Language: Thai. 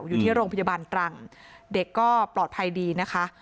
อยู่ที่โรงพยาบาลตรังเด็กก็ปลอดภัยดีนะคะ